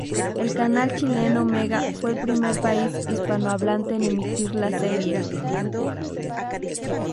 El canal chileno Mega fue el primer país hispanohablante en emitir la serie.